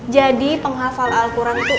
jadi penghafal alquran itu